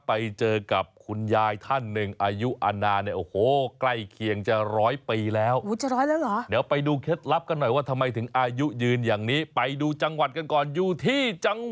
ไปเจอกับคุณยายท่านหนึ่งอายุอาณาน